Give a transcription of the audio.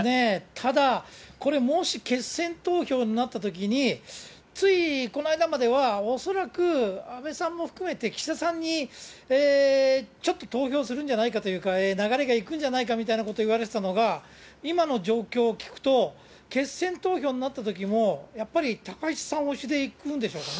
ただ、これもし決選投票になったときに、ついこの間までは恐らく安倍さんも含めて、岸田さんに、ちょっと投票するんじゃないかというか、流れがいくんじゃないかみたいにいわれてたのが、今の状況を聞くと、決選投票になったときも、やっぱり高市さん推しでいくんでしょうかね。